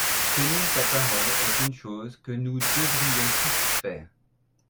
Tenir sa parole est une chose que nous devrions tous faire.